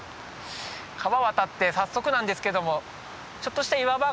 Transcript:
川渡って早速なんですけどもちょっとした岩場が出てきます。